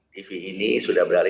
tv ini sudah berlari